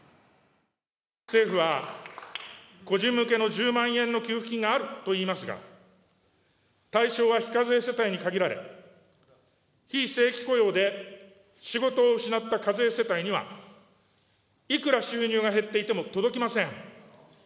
政府は、個人向けの１０万円の給付金があるといいますが、対象は非課税世帯に限られ、非正規雇用で仕事を失った課税世帯には、いくら収入が減っていても届きません。